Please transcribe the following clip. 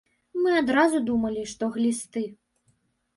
Мы адразу думалі, што глісты.